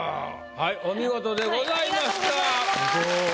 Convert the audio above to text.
はいお見事でございました。